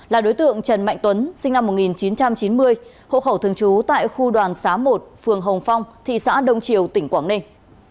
là đối tượng trần mạnh tuấn sinh năm một nghìn chín trăm chín mươi hộ khẩu thường trú tại khu đoàn xá một phường hồng phong thị xã đông triều tỉnh quảng ninh